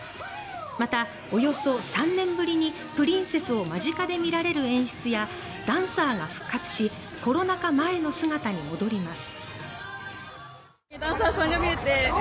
また、およそ３年ぶりにプリンセスを間近で見られる演出やダンサーが復活しコロナ禍前の姿に戻ります。